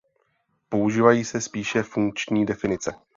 Používají se spíše funkční definice.